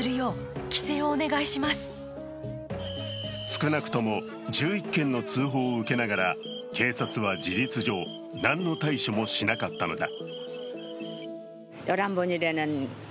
少なくとも１１件の通報を受けながら警察は事実上、何の対処もしなかったのだ。